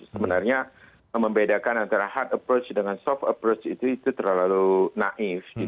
sebenarnya membedakan antara hard approach dengan soft approach itu terlalu naif